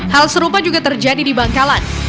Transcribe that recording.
hal serupa juga terjadi di bangkalan